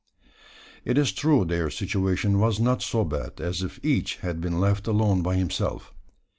It is true their situation was not so bad as if each had been left alone by himself.